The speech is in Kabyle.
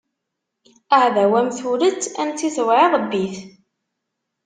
Aɛdaw am turet, ansi tewɛiḍ bbi-t.